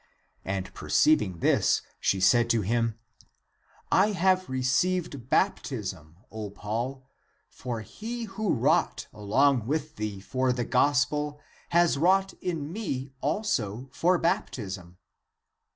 And perceiving this, she said to him, " I have received baptism, O Paul ; for He who wrought along with thee for the gospel has wrought in me also for baptism."